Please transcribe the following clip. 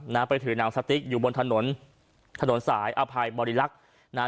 ไปถือหนังสติ๊กอยู่บนถนนถนนสายอภัยบริรักษ์นะฮะ